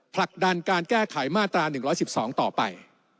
ผลักดันการแก้ไขมาตรา๑๑๒ต่อไป